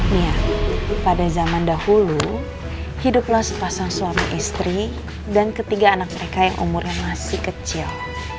iya pada zaman dahulu hiduplah sepasang suami istri dan ketiga anak mereka yang umurnya masih kecil